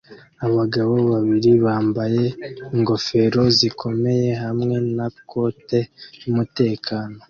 Abagabo babiri bambaye ingofero zikomeye hamwe na kote yumutekano